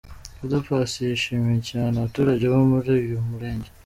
Oda Paccy yishimiye cyane abaturage bo muri uyu murenge.